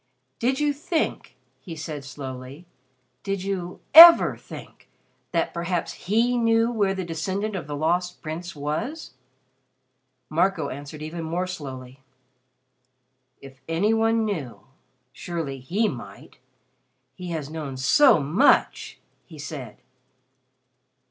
"Did you think " he said slowly "did you ever think that perhaps he knew where the descendant of the Lost Prince was?" Marco answered even more slowly. "If any one knew surely he might. He has known so much," he said.